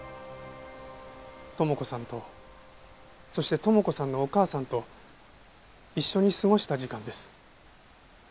友子さんとそして友子さんのお母さんと一緒に過ごした時間です。